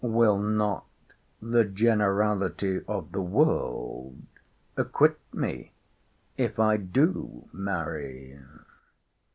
—Will not the generality of the world acquit me, if I do marry?